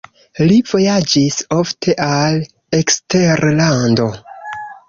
Li vojaĝis ofte al eksterlando.